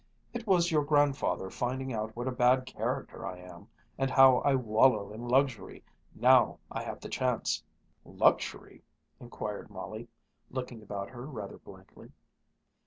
"It was your grandfather finding out what a bad character I am, and how I wallow in luxury, now I have the chance." "Luxury?" inquired Molly, looking about her rather blankly.